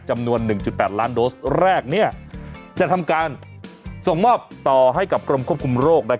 จำนวน๑๘ล้านโดสแรกจะทำการส่งมอบต่อให้กับกรมควบคุมโรค